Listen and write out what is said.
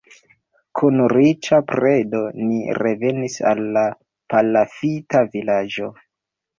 Kun riĉa predo ni revenis al la palafita vilaĝo.